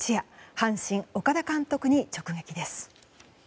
阪神・岡田監督に直撃です。